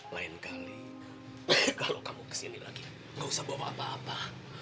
lain kali kalau kamu kesini lagi gak usah bawa apa apa